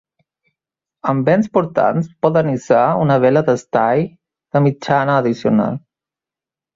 Amb vents portants poden hissar una vela d'estai de mitjana addicional.